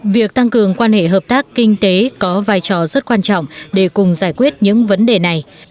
việc tăng cường quan hệ hợp tác kinh tế có vai trò rất quan trọng để cùng giải quyết những vấn đề này